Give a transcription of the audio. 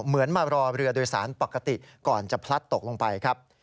เหมือนมารอเรือโดยสารปกติก่อนจะพลัดตกลงไปครับ